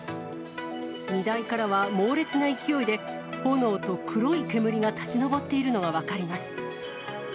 荷台からは猛烈な勢いで、炎と黒い煙が立ち上っているのが分かります。